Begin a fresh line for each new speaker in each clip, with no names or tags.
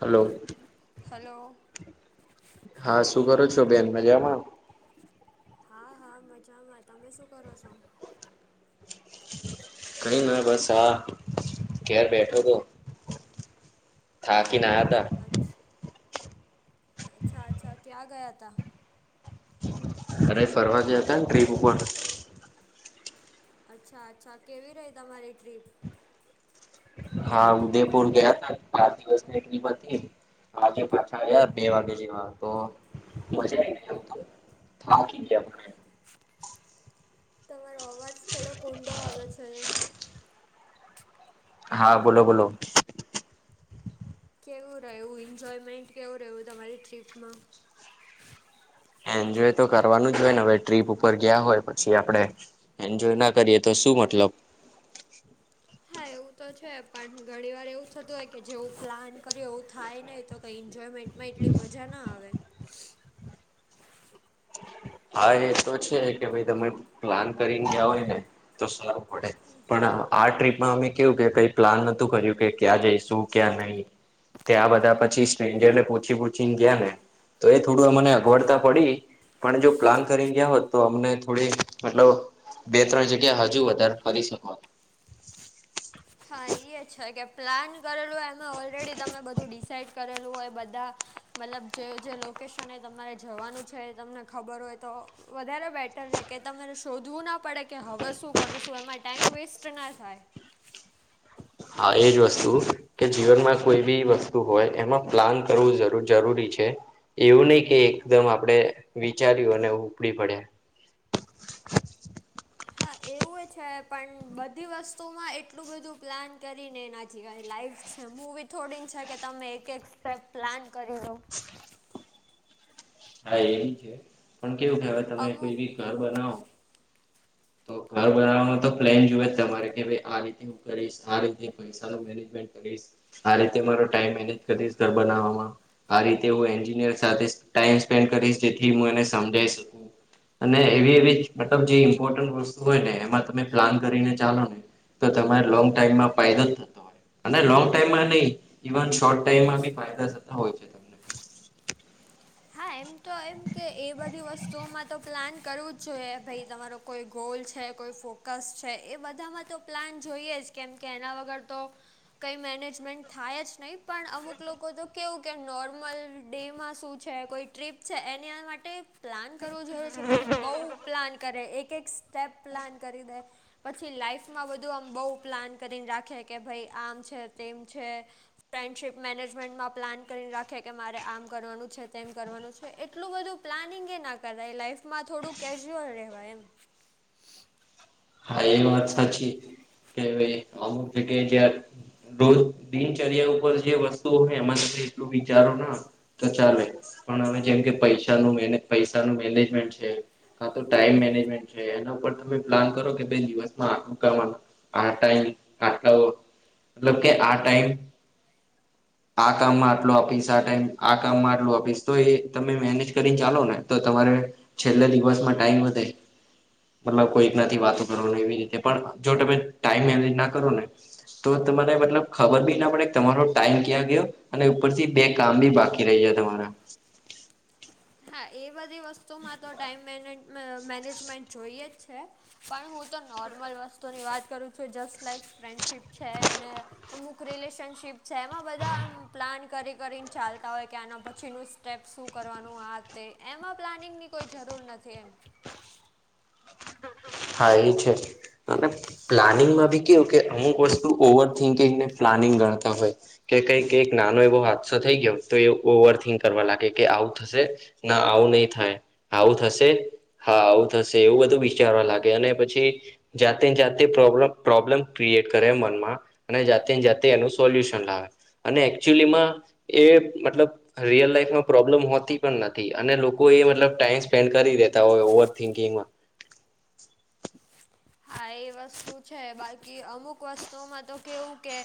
Hello.
Hello.
હા શું કરો છો બેન મજામાં.
હા હા મજામાં તમે શું કરો છો.
કઈ ના બસ હા ઘેર બેઠો તો. થાકી ના હતા.
અચ્છા અચ્છા અચ્છા ક્યા ગયા ત.
અરે ફરવા ગયા હતા ને ટ્રીપ ઉપર.
અચ્છા અચ્છા કેવી રહી તમારી ટ્રીપ.
હા ઉદયપુર ગયા તા બાર દિવસ ની ટ્રીપ હતી. આજે પાછા આવ્યા બે વાગે જેવા તો. મજા આય પર થાકી ગ્યા
તમારો અવાજ થોડો ઊંડો આવે છે.
હા બોલો બોલો.
કેવું રહવું એન્જોયમેન્ટ કેવું રહ્યું તમારી ટ્રીપમાં.
એન્જોય તો કરવાનું જ હોય ને હવે ટ્રીપ ઉપર ગયા હોય પછી આપડે. એન્જોય ના કરીએ તો શું મતલબ.
હા એવું તો છે પણ ઘણી વાર એવું થતું હોય કે જેવું પ્લાન કર્યું એવું થાય નહીં તો કંઈ એન્જોયમેન્ટ. માં એટલી મજા ના આવે.
હા એ તો છે કે ભાઈ તમે પ્લાન કરીને ગયા હોય ને તો સારું પડે. પણ આ ટ્રીપમાં અમે કેવું કે કઈ પ્લાન નતું કર્યું કે ક્યાં જઈશું ક્યાં નહી. ત્યાં બધા પછી સ્ટ્રેન્જર ને પૂછી પૂછી ને ગયા ને. તો એ થોડું અમને અગવડતા પડી પણ જો. પ્લાન કરીને ગયા હોત તો અમને થોડી મતલબ બે ત્રણ જગ્યા હજુ વધારે ફરી શકો.
હા એ જ છે કે પ્લાન કરેલું હોય એમાં ઓલરેડી તમે બધું ડિસાાઈડ કરેલું હોય બધા. મતલબ જે જે લોકેશને એ તમારે જવાનું છે તમને ખબર હોય તો. વધારે બેટર રહે કે તમારે શોધવું ના પડે કે હવે શું કરું છું એમાં ટાઈઇમ વેસ્ટ ના થાય.
હા એજ વસ્તુ. કે જીવનમાં કોઈ બી વસ્તુ હોય એમાં પ્લાન કરવું જરૂરી છે. એવું નહી કે એકદમ આપડે વિચાર્યું અને ઉપડી પડ્યા.
હા એવું છે પણ બધી વસ્તુમાં એટલું બધું પ્લાન કરીને એના જિવાય લાઈફ. મુવી થોડી છે કે તમે એક એક સ્ટેપ પ્લાન કરી લો
હા એવી છે પણ કેવું ખ તમે કોઈ
અમુક
બી ઘર બનાવો તો ઘર બનાવવાનો તો પ્લેન જોવુ જ તમારે કે ભાઈ આ રીતે આ રીતે કરીશ પૈસાનું મેનેજમેન્ટ કરીશ આ રીતે મારો ટાઈમ મેનેજ કરીશ ઘર બનાવવામાં આ રીતે હું એન્જિનિયર સાથે તાઇસ કરીશ જેથી હું એને સમજાવી શકું અને એવી એવી મતલબ જે ઈમ્પોર્ટન્ટ વસ્તુ હોય ને એમાં તમે પ્લાન કરીને ચાલો ને તો તમારે લોંગ ટાઈમમાં ફાયદો જ થતો હોય અને લોંગ ટાઈમમાં નહી ઇવન શોર્ટ ટાઈમમાં બી ફાયદા થતા હોય છે તમને
હા એમ તો એમ કે એ બધી વસ્તુઓમાં તો પ્લાન કરવું જ જોઈએ ભાઈ તમારો કોઈ ગોલ છે કોઈ ફોકસ છે એ બધામાં તો પ્લાન જોઈએ જ કેમ કે એના વગર તો કંઈ મેનેજમેન્ટ થાય જ નહીં પણ અમુક લોકો તો કેવું કે નોર્મલ ડેમાં શું છે કે કોઈ ટ્રીપ છે એને માટે પ્લાન કરવો જોએ છે પણ બહુ પ્લાન કરે એક એક સ્ટેપ પ્લાન કરી દે પછી લાઈફમાં બધું આમ બહુ પ્લાન કરીને રાખે કે ભાઈ આમ છે તેમ છે ફ્રેન્ડશીપ મેનેજમેન્ટમાં પ્લાન કરીને રાખે કે મારે આમ કરવાનું છે તેમ કરવાનું છે એટલું બધું પ્લાનિંગ એ ના કરાય લાઈફમાં થોડું કેજ્યુઅલ રહેવાય એમ
હા એ વાત સાચી કે અમુક જગ્યાએ જ રોજ દિનચર્યા ઉપર જે વસ્તુઓ હોય એ ત એટલું વિચારો ના તો ચાલે પણ અમે જેમ કે પૈસાનું પૈસાનું મેનેજમેન્ટ છે કા તો ટાઈમ મેનેજમેન્ટ છે એના ઉપર તમે પ્લાન કરો બે દિવસમાંકા આખુ કરવાના આ ટાઇમ આટલાઓ મતલબ કે આ ટાઈમ આ કામમાં આટલો આપીશ આ ટાઈમ આ કામમાં આટલો આપીશ તો એ તમે મેનેજ કરીને ચાલો ને તો તમારે છેલ્લે દિવસમાં ટાઈમ વધે મતલબ કોઈક નથી વાત કરો એવી રીતે પણ જો તમે ટાઈમ મેનેજ ના કરો ને તો તમારે મતલબ ખબર બી ના પડે તમારો ટાઈમ ક્યાં ગયો અને ઉપર થી બે કામ બી બાકી રહીયા તમારા
હા એ બધી વસ્તુમાં તો ટાઈમ મેનેજ મેનેજમેન્ટ જોઈએ જ છે પણ હું તો નોર્મલ વસ્તુની વાત કરું છું જસ્ટ લાઈક ફ્રેન્ડશીપ છે અમુક રિલેશનશીપ છે એમાં બધા પ્લાન કરી કરીને ચાલતા હોય કે આના પછીનું સ્ટેપ્ શું કરવાનું આ તે એમાં પ્લાનિંગની કોઈ જરૂર નથી એમ
હા એ છે મ પ્લાનિંગમાં બી કેવું કે અમુક વસ્તુ ઓવર થિકિંગ ને પ્લાનિંગ ગણતા હોય કે કઈકઈ નાનો એવો હાદસો થઈ ગયો તો એ ઓવર થિંક કરવા લાગે કે આવું થશે ના આવું નઈ થાય આવું થશે હા આવું થશે એવું બધું વિચારવા લાગે પછી જાતે ને જાતે પ્રોબ્ પ્રોબ્લેમ ક્રિએટ કરે મનમાં અને જાતે ને જાતે એનું સોલ્યુશન લાવે અને એકચુલીમાં એ મતલબ રિયલ લાાઈફમાં પ્રોબ્લેમ હોતી પણ નથી અને લોકો એ મતલબ ટાઈમ સ્પેન્ડ કરી દેતા હોય ઓવર થિન્કિંગમાં
આ એ વસ્તુ છે બાકી અમુક વસ્તુઓમાં તો કેવું કે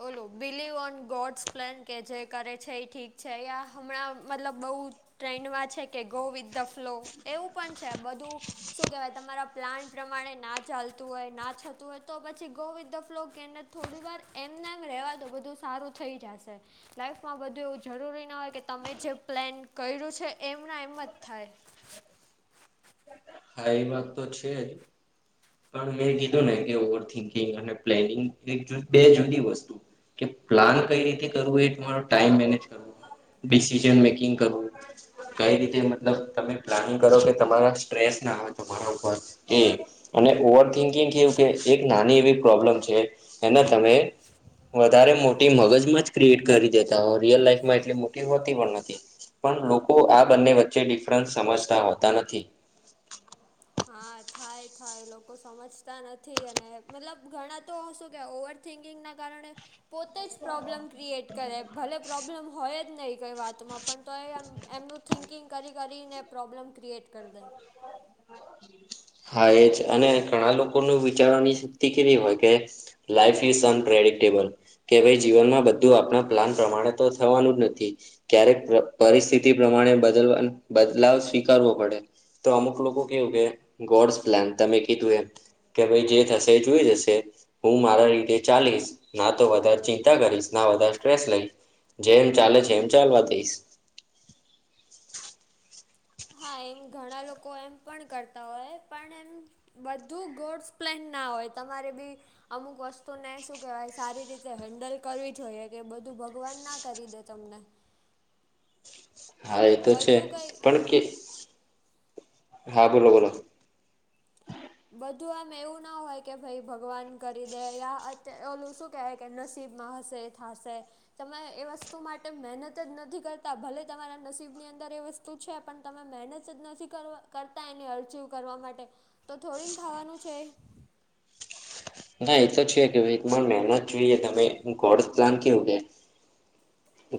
બોલો બલીવ ઓન ગોડ્સ પ્લાન કે જે કરે છે એ ઠીક છે યા હણા મતલબ બહુ ટ્રેન્ડમાં છે કે ગો વિથ ધ ફ્લો એવું પણ છે બધું શું કેહેવાય તમારા પ્લાન પ્રમાણે ના ચાલતું હોય ના થતું હોય તો પછી ગો વિથ ધ ફ્લો કે એને થોડી વાર એમને એમ રહેવા દો બધું સારું થઈ જશે લાઈફમાં બધું એવું જરૂરી ના હોય કે તમે જે પ્લેન કર્યું છે એમના એમ જ થાય
હા એ વાત તો છે જ પણ મેં કીધું ને કે ઓવર થિંકિંગ અને પ્લેનિંગ એક બે જુદી વસ્તુ કે પ્લાન કઈ રીતે કરવું એ તમારો ટાઈમ મેનેજ કરવો ડિસન મેકિંગ કરવું કઈ રીતે મતલબ તમે પ્લાનિંગ કરો કે તમારા સસ ના આવે બ એ અને ઓવર થિંકિંગ કેવું એક નાની એવી પ્રોબ્લમ છે એને તમે વધારે મોટી મગજમાં જ ક્રિએટ કરી દેતા હો રિયલ લાાઈફમાં એટલી મોટી હોતી પણ નથી પણ લોકો આ બંને વચ્ચે ડિફરન્સ સમજતા હોતા નથી
હા થાય થાય લોકો સમજતા નથી અને મતલબ ઘણા તો શું કે ઓવર થિંકિંગના કારણે પોતે જ પ્રોબ્લેમ ક્રિએટ કરે ભલે પ્રોબ્લેમ હોય જ નહીં કંઈ વાતમાં પણ તો એમ એમનું થિંકિંગ કરી કરીને પ્રોબ્લમ ક્રિએટ કરી દે
હા એજ અને ઘણા લોકો ન વિચારવાની શક્તિ કેવી હોય કે લાઈફ ઇઝ અનટ્રેડિક્ટેબલ કે ભાઈ જીવનમાં બધું આપણા પ્લાન પ્રમાણે તો થવાનું જ નથી ક્યારેક પરિસ્થિતિ પ્રમાણે બદલવા બદલાવ સ્વીકારવો પડે તો અમુક લોકો કેવું કે ગોડ્સ પ્લાન તમે કીધું એ કે ભાઈ જે થશે એ જોઈ જશે હું મારા રીધે ચાલીશ ના તો વધારે ચિંતા કરીશ ના વધારે સ્ટ્રેસ લઈશ જે એમ ચાલે છે એમ ચાલ વા દઈસ
હા એમ ઘણા લોકો એમ પણ કરતા હોય પણ એમ બધું ગોડસ પ્લેન ના હોય તમારે બી અમુક વસ્તુને શું કેહેવાય સારી રીતે હેન્ડલ કરવી જોઈએ કે બધું ભગવાન ના કરી દેતા તમને
હા એ તો છે
બધું કંઈ
પણ કે હા બોલો બોલો
બધું આમ એવું ના હોય કે ભાઈ ભગવાન કરી દે ઓલું શું કક નસીબમાં હશે થશે તમે એ વસ્તુ માટે મહેનત જ નથી કરતા ભલે તમારા નસીબ ની અંદર વસ્ત છે પણ તમે મહેનત જ નથી કરવા કરતા એની અરજીવ કરવા માટે તો થોડીને થવાનું છે
ના એ તો છે કે એક મહેનત જોઈએ તમે ગોડ પ્લાન કેવું કેયા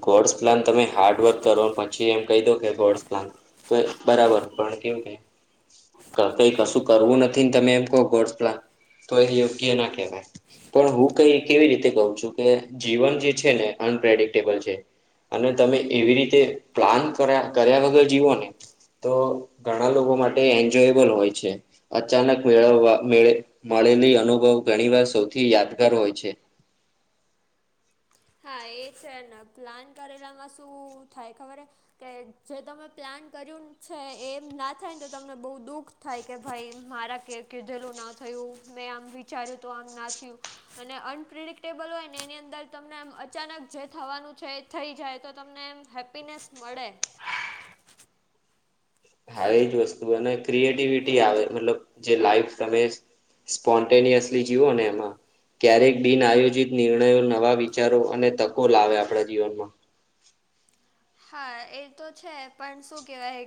ગોડ્સ પ્લાન તમે હાર્ડવર્ક કરો પછી એમ કહી દો કે ગોડ્સ પ્લાન તો બરાબર પણ કેમ કે કઈ કશું કરવું નથી ને તમે એમ કહો ગોડ પ્લા તો એ યોગ્ય ના કહેવાય પણ હું કઈ કેવી રીતે કહું છું કે જીવન જે છે ને અનપ્રેડિક્ટ અને તમે એવી રીતે પ્લાન કર્યા વગર જીવો ને તો ઘણા લોકો માટે એન્જોયબલ હોય છે અચાનક મેળવવા મે મળેલી અનુભવ ઘણી વાર સૌથી યાદગાર હોય છે
હા એ છે ને પ્લાન કરેલામાં શું થાય ખબર કે જે તમે પ્લાન કર્યું છે એમ ના થાયને તો તમને બહુ દુઃખ થાય કે ભાઈ મારા કે કીધેલું ના થયું મેં આમ વિચાર્યું તો આમ ના થયું અને અનપ્રિડિક્ટેબલ હોય ને એની અંદર તમને એમ અચાનક જે થવાનું છે એ થઈ જાય તો તમને એમ હેપીનેસ મળે
હા એજ વસ્તુ અને ક્રિએટિવિટી આવે મતલબ જે લાઈફ તમે સ્પોન્ટેનિયસલી જીવો ને એમાં ક્યારેક બિન આયોજિત નિર્ણયો નવા વિચારો અને તકો લાવે આપણા જીવનમાં
હા એ તો છે પણ શું કેવાય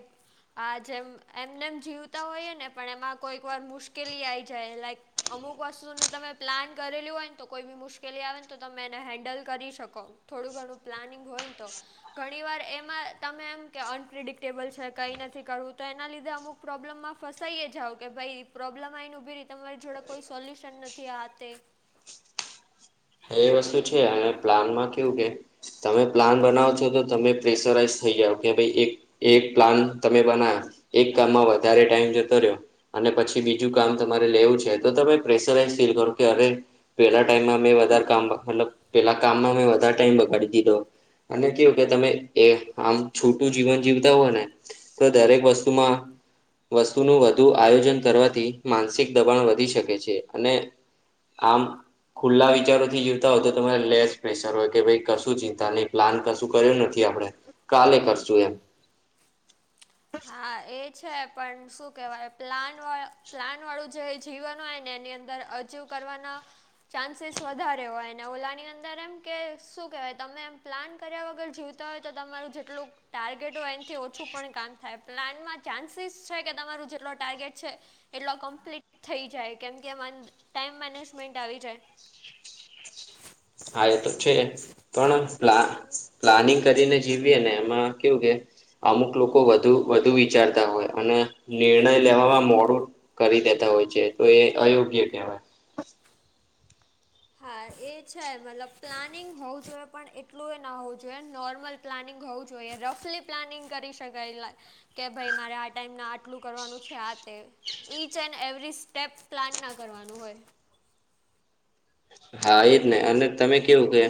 આ જેમ એમને એમ જીવતા હોઈએ ને પણ એમાં કોઈકવાર મુશ્કેલી આવી જાય લાઈક અમુક વસ્તુને તમે પ્લાન કરેલું હોય ને તો કોઈ બી મુશ્કેલી આવે ને તો તમે એને હેન્ડલ કરી શકો થોડું ઘણું પ્લાનિંગ હોય ને તો ઘણી વાર એમાં તમે એમ કે અનપ્રિડિક્ટેબલ છે કંઈ નથી કરવું તો એના લીધે અમુક પ્રોબ્લમમાં ફસાઈ જાાવ કે ભાઈ પ્રોબ્લેમ આને ઉભી ર તમારી જોડે કોઈ સોલ્યુશન નથી આ તે
હ એ વસ્તુ છે એને પ્લાન માં કેવું કે તમે પ્લાન બનાવો છો તો તમે પ્રેશરાઈઝ થઇ જાઓ કે ભાઈ એક એક પ્લાન તમે બનાવ એક કામમાં વધારે ટાઈમ જતો રહ્યો અને પછી બીજું કામ તમારે લેવું છે તો તમે પ્રેશરાઈઝ ફીલ કરો કે અરે પેલા ટાઈમમાં મેં વધારે કામ મલ પેલા કામમાં મેં વધારે ટાઈમ બગાડી દીધો અને કેવું કે તમે એ આમ છોટું જીવન જીવતા હો ને તો દરેક વસ્તુમાં વસ્તુનું વધુ આયોજન કરવાથી માનસિક દબાણ વધી શકે છે અને આમ ખુલ્લા વિ બચારોથી જીવતા હોય તો તમારે લેસ પ્રેશર હોય કે ભાઈ કશું ચિંતા નહીં પ્લાન કશું કર્યો નથી આપડે કાલે કરશું એમ
હા એ છે પણ શું કેહેવાય પ્લાન વા પ્લાન વાળું જે જીવન હોય ને એની અંદર અજીવ કરવાના ચાન્સીસ વધારે હોય ને ઓલાની અંદર એમ કે શું કહેવાય તમે એમ પ્લાન કર્યા વગર જીવ હોય તો તમારું જેટલું ટાર્ગેટ હોય એથી ઓછું પણ કામ થાય પ્લાનમાં ચાન્સીસ છે કે તમારું જેટલો ટાર્ગેટ છે એટલો કમ્પ્લીટ થઈ જાય કેમકે ટાઈમ મેનેજમેન્ટ આવી જાય
હા એ તો છે પણ પ્લાનિંગ કરીને જીવીએ ને એમાં કેવું કે અમુક લોકો વધુ વધુ વિચારતા હોય અને નિર્ણય લેવામાં મોડું કરી દેતા હોય છે તો એ અયોગ્ય કહેવાય
હા એ છે મતલબ પ્લાનિંગ હોવું જોઈએ પણ એટલું એ ના હોવું જોઈએ નોર્મલ પ્લાનિંગ હોવું જોઈએ રફલી પ્લાનિંગ કરી શકાય એ કે ભાઈ મારે આ ટાઈમ ના આટલું કરવાનું છે આ તે each and every step plan ના કરવાનું હોય
હા એજ નહી અને તમે કેવું કે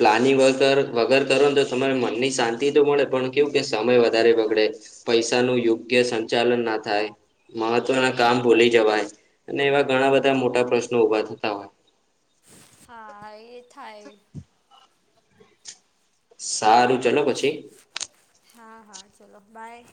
પ્લાનિ વગર વગર કરો ને તો તમારે મનની શાંતિ તો મળે પણ કેવું કે સમય વધારે બગડે પૈસા નું યોગ્ય સંચાલન ના થાય મહત્વના કામ ભૂલી જવાય અને એવા ઘણા બધા મોટા પ્રશ્નો ઊભા થતા હોય
હા એ થાય
સારું ચલો પછી
હા હા ચલો બાય